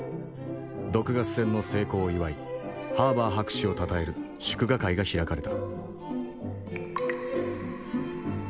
毒ガス戦の成功を祝いハーバー博士をたたえる祝賀会が開かれた。